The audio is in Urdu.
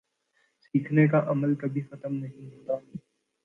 سیکھنے کا عمل کبھی ختم نہیں ہوتا